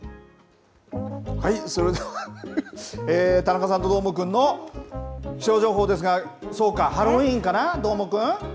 それでは、田中さんとどーもくんの気象情報ですが、そうか、ハロウィーンかな、どーもくん。